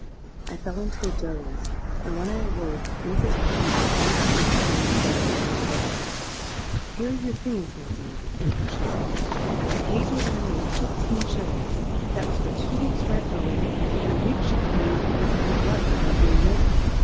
I fell into a doze; and when I awoke, Mrs. Harpy was once more standing by the side of the bed. 'Here are your things, my dear,' she said: 'I paid your landlady fifteen shillings. That was for two weeks' rent owing, and a week she claimed because you had left without giving notice.